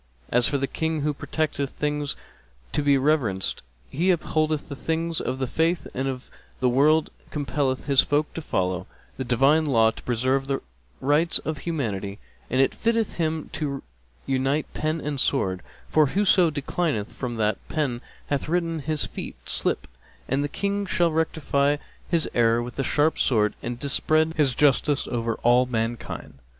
As for the King who protecteth things to be reverenced, he upholdeth the things of the Faith and of the World and compelleth his folk to follow the Divine Law and to preserve the rights of humanity; and it fitteth him to unite Pen and Sword; for whoso declineth from what Pen hath written his feet slip and the King shall rectify his error with the sharp Sword and dispread his justice over all mankind.